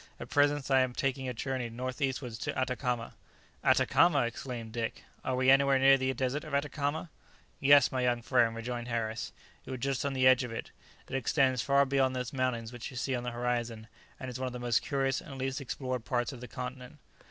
At present I am taking a journey north eastwards to Atacama." "Atacama!" exclaimed Dick; "are we anywhere near the desert of Atacama?" "Yes, my young friend," rejoined Harris, "you are just on the edge of it. It extends far beyond those mountains which you see on the horizon, and is one of the most curious and least explored parts of the continent."